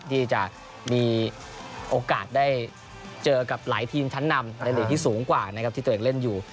ที่จะมีโอกาสได้เจอกับหลายทีมชั้นนำในหลีกที่สูงกว่านะครับที่ตัวเองเล่นอยู่